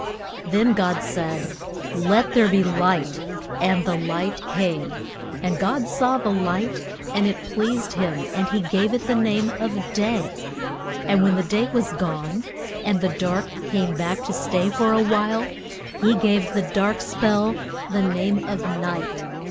Then God said, Let there be light! And the light came. And God saw the light, and it pleased him, and he gave it the name of Day. And when the day was gone, and the dark came back to stay for a while, he gave the dark spell the name of Night.